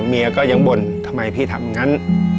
ก็ก็บ็นทำไมนี่ทำงั้น